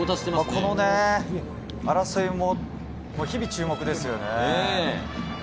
この争いも日々注目ですよね。